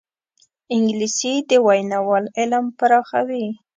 انګلیسي د ویناوال علم پراخوي